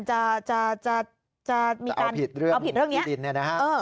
จะเอาผิดเรื่องนี้นะครับ